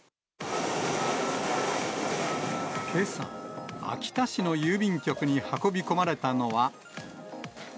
けさ、秋田市の郵便局に運び込まれたのは。